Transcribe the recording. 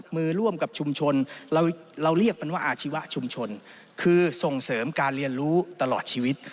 เสริมการเรียนรู้ตลอดชีวิต